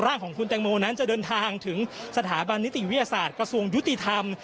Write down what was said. ร่างของคุณแตงโมนั้นจะเดินทางถึงสถาบันนิติวิทยาศาสตร์กระทรวงยุติธรรม